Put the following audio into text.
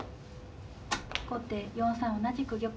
後手４三同じく玉。